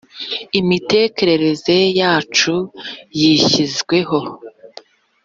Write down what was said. imitekerereze yacu, yashizweho